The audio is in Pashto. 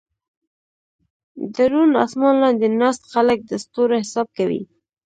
د روڼ اسمان لاندې ناست خلک د ستورو حساب کوي.